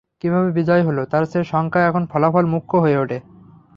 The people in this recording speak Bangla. কীভাবে বিজয় হলো, তার চেয়ে সংখ্যা এবং ফলাফল মুখ্য হয়ে ওঠে।